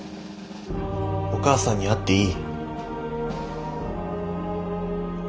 お母さんに会っていい？